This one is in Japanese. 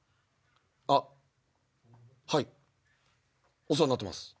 あっはいお世話んなってます。